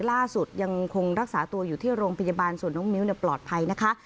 ล่าสุดยังคงรักษาตัวอยู่ที่โรงพยาบาลส่วนน้องมิ้วปลอดภัยนะคะ